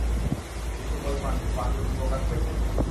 তিনি সকল প্রাণীর প্রাণরূপে প্রকাশ পাইতেছেন।